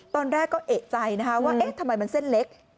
ตอนแรกก็เอกใจว่าทำไมมันเส้นเล็ก